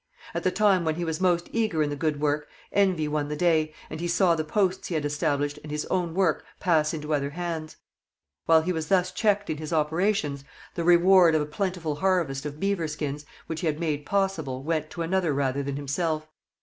At the time when he was most eager in the good work, envy won the day, and he saw the posts he had established and his own work pass into other hands. While he was thus checked in his operations, the reward of a plentiful harvest of beaver skins [which he had made possible] went to another rather than himself.